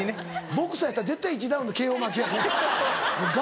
ボクサーやったら絶対１ラウンドＫＯ負けやね。